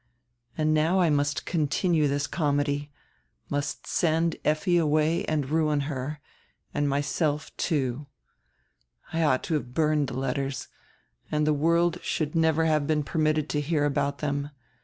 And now I must continue diis comedy, must send Effi away and ruin her, and myself, too — I ought to have burned die letters, and die world should never have been permitted to hear about diem.